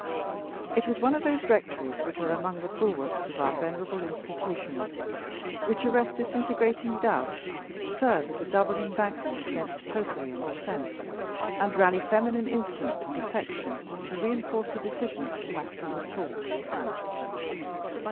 It was one of those rectories which are among the bulwarks of our venerable institutions which arrest disintegrating doubt, serve as a double embankment against Popery and Dissent, and rally feminine instinct and affection to reinforce the decisions of masculine thought.